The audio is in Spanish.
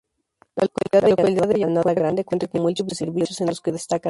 La localidad de Llanada grande cuenta con múltiples servicios en los que destacan.